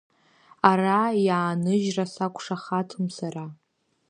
Ара иааныжьра сақәшаҳаҭым сара…